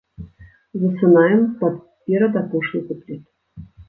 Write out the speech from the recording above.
Засынаем пад перадапошні куплет.